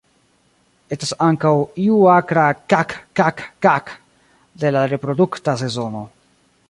Estas ankaŭ iu akra "kak-kak-kak" de la reprodukta sezono.